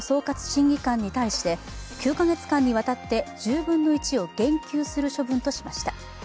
審議官に対して９か月間にわたって１０分の１を減給する処分としました。